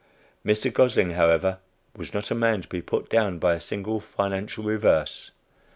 Mr. Gosling, however, was not a man to be put down by a single financial reverse.